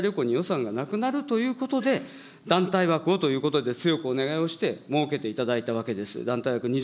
団体旅行に予算がなくなるということで、団体枠をということで、強くお願いをして、設けていただいたわけです。